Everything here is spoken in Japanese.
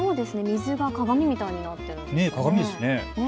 水が鏡みたいになっていますね。